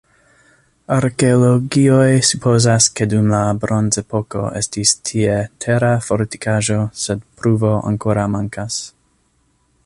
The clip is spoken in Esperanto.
Arkeologoj supozas, ke dum la bronzepoko estis tie tera fortikaĵo, sed pruvo ankoraŭ mankas.